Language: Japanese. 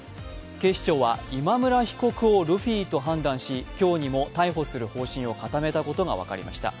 警視庁は、今村被告をルフィと判断し今日にも逮捕する方針を固めたことが分かりました。